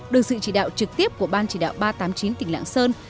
được sự chỉ đạo trực tiếp của ban chỉ đạo ba trăm tám mươi chín tỉnh lạng sơn